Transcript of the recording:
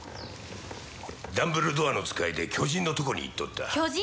ダンブルドアの使いで巨人のとこに行っとった巨人？